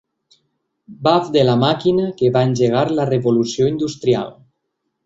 Baf de la màquina que va engegar la revolució industrial.